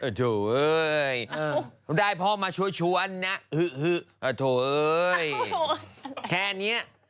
อ่ะโถเอ้ยได้พ่อมาชวนนะอ่ะโถเอ้ยแค่เนี่ย